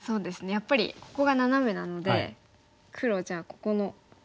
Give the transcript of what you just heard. やっぱりここがナナメなので黒じゃあここの弱みをついて。